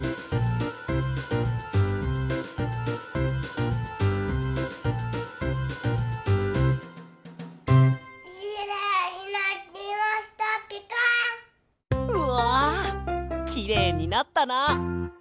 うわきれいになったな。